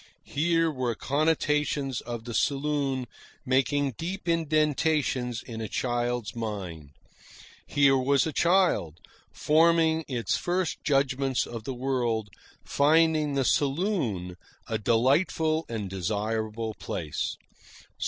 Here were connotations of the saloon making deep indentations in a child's mind. Here was a child, forming its first judgments of the world, finding the saloon a delightful and desirable place.